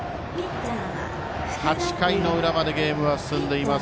８回の裏までゲームが進んでいます。